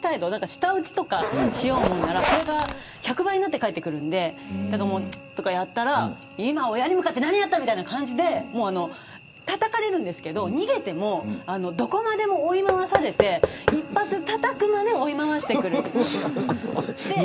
舌打ちとかしようものならそれが１００倍になって返ってくるのでチッとかやったら今、親に向かって何やったみたいな感じでたたかれるんですけど、逃げてもどこまでも追い回されて一発たたくまで追い回してくるんです。